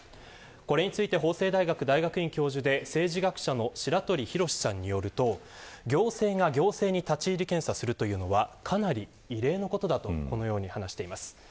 これについて、法政大学大学院教授で政治学者の白鳥浩さんによると行政が行政に立ち入り検査するというのはかなり異例のことだと話しています。